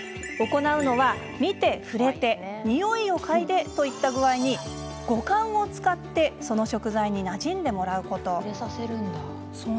行うのは、見て触れてにおいを嗅いでといった具合に五感を使ってその食材になじんでもらうこと。